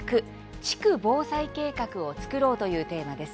地区防災計画を作ろう」というテーマです。